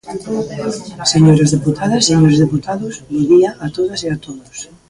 Señoras deputadas, señores deputados, bo día a todas e a todos.